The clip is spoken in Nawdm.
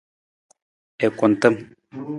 I kuntam.